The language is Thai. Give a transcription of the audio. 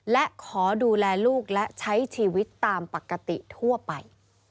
และขอดูแลลูกและใช้ชีวิตตามปกติทั่วไป